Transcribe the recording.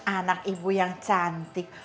anak ibu yang cantik